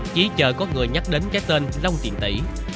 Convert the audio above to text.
chỉ chờ có người nhắc đến cái tên đông tiền tỷ